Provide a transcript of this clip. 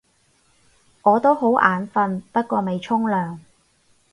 我都好眼瞓，不過未沖涼